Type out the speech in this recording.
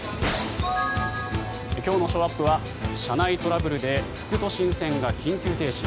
今日のショーアップは車内トラブルで副都心線が緊急停止。